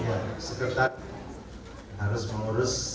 sekretar harus mengurus satu ratus enam anggota dpr